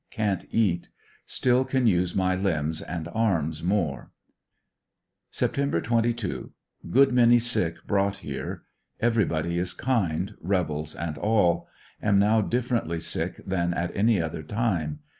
Can't eat; still can use my limbs and arms more. Sept. 22. — Good many sick brought here. Everybody is kind, rebels and all. Am now differently sick than at any other time.